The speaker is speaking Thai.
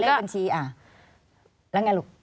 ขอเรียกบัญชีอ่ะแล้วไงลูก